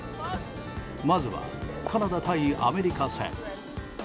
まずはカナダ対アメリカ戦。